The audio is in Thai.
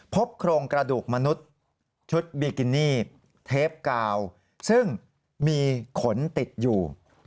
พบโครงกระดูกมนุษย์ชุดบิกินี่เทปกาวซึ่งมีขนติดอยู่